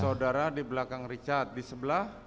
saudara di belakang richard di sebelah